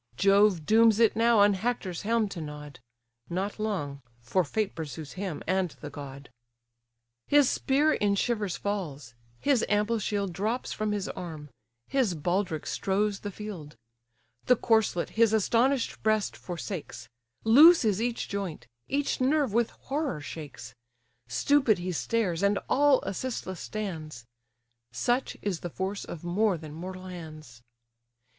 Jove dooms it now on Hector's helm to nod; Not long—for fate pursues him, and the god. His spear in shivers falls; his ample shield Drops from his arm: his baldric strows the field: The corslet his astonish'd breast forsakes: Loose is each joint; each nerve with horror shakes; Stupid he stares, and all assistless stands: Such is the force of more than mortal hands!